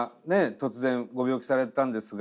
突然ご病気されたんですが。